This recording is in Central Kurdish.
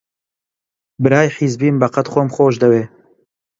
برای حیزبیم بەقەد خۆم خۆش دەوێ